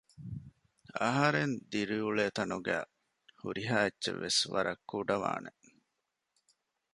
އަހަރެން ދިރިއުޅޭ ތަނުގައި ހުރިހާ އެއްޗެއްވެސް ވަރަށް ކުޑަވާނެ